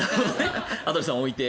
羽鳥さん置いて。